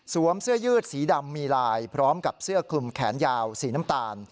เสื้อยืดสีดำมีลายพร้อมกับเสื้อคลุมแขนยาวสีน้ำตาล